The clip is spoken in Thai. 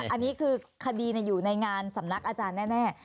อันนี้คือคดีอยู่ในงานสำนักอาจารย์แน่